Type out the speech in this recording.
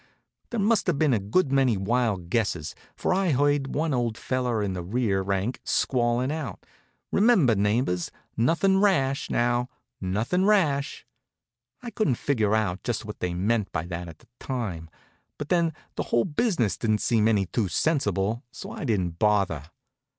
There must have been a good many wild guesses, for I heard one old feller in the rear rank squallin' out: "Remember, neighbors, nothin' rash, now; nothin' rash!" I couldn't figure out just what they meant by that at the time; but then, the whole business didn't seem any too sensible, so I didn't bother.